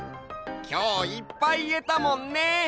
きょういっぱいいえたもんね。